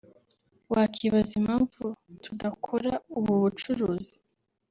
wakibaza impamvu tudakora ubu bucuruzi